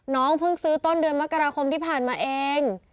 เพิ่งซื้อต้นเดือนมกราคมที่ผ่านมาเอง